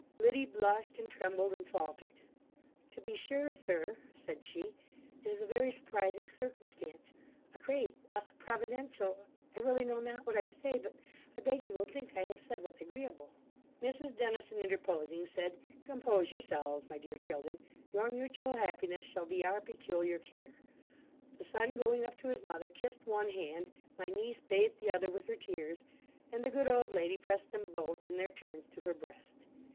Liddy blushed, and trembled, and faltered 'To be sure, sir (said she), it is a very surprising circumstance a great a providential I really know not what I say but I beg you will think I have said what's agreeable.' Mrs Dennison interposing said, 'Compose yourselves, my dear children. Your mutual happiness shall be our peculiar care.' The son going up to his mother, kissed one hand; my niece bathed the other with her tears; and the good old lady pressed them both in their turns to her breast.